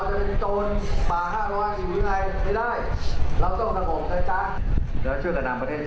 เราจะเป็นโจรป่าห้าล๋ออืมอย่างไร